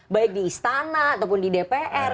baik di istana ataupun di dpr